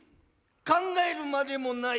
考えるまでもない。